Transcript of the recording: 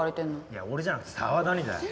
いや俺じゃなくて澤田にだよ。